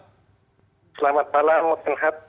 selamat malam mokten hat